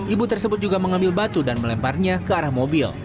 ibu tersebut juga mengambil batu dan melemparnya ke arah mobil